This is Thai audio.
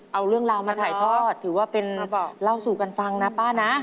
เอาเรื่องราวมาถ่ายทอดถือว่าเป็นเล่าสู่กันฟังนะป้านะ